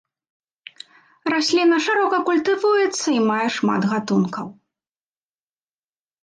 Расліна шырока культывуецца і мае шмат гатункаў.